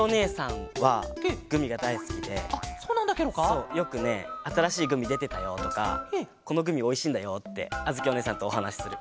そうよくね「あたらしいグミでてたよ」とか「このグミおいしいんだよ」ってあづきおねえさんとおはなしする。